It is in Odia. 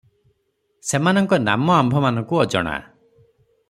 ସେମାନଙ୍କ ନାମ ଆମ୍ଭମାନଙ୍କୁ ଅଜଣା ।